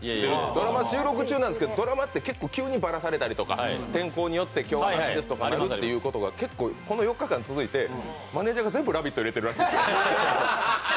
ドラマ収録中んなんですけど、ドラマって急にばらされたりとか、天候によって今日はなしですとかいうことがこの４日間続いてマネージャーが全部「ラヴィット！」入れてるらしいんですよ。